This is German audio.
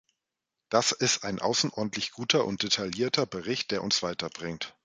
Das ist ein außerordentlich guter und detaillierter Bericht, der uns weiterbringt.